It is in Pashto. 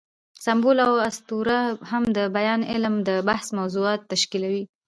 سمبول او اسطوره هم د بیان علم د بحث موضوعات تشکیلوي.